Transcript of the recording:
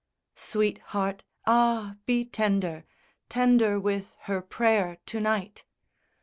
VI Sweetheart, ah, be tender Tender with her prayer to night!